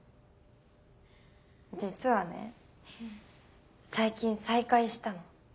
実はね最近再会したの。